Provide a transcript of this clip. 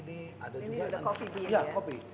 ini udah kopi